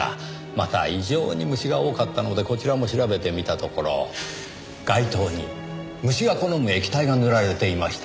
また異常に虫が多かったのでこちらも調べてみたところ街灯に虫が好む液体が塗られていました。